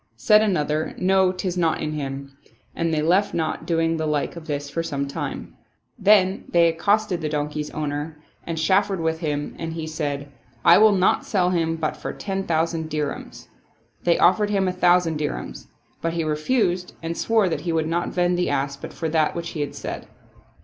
Said another, " No, 'tis not in him "; and they left not doing the like of this for some time. Then they accosted the don key's owner and chaffered with him and he said, " I will not sell him but for ten thousand dirhams." They offered him a thousand dirhains ; but he refused and swore that he would not vend the ass but for that which he had said.